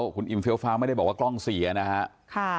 คุณอิมเฟี้ยฟ้าไม่ได้บอกว่ากล้องเสียนะครับ